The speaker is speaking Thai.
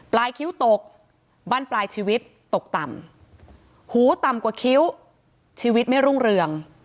คิ้วตกบ้านปลายชีวิตตกต่ำหูต่ำกว่าคิ้วชีวิตไม่รุ่งเรือง